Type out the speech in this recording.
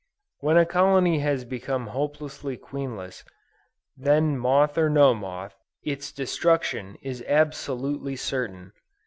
When a colony has become hopelessly queenless, then moth or no moth, its destruction is absolutely certain.